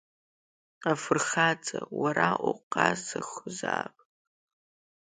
Афырхаҵа, уара уҟазахозаап!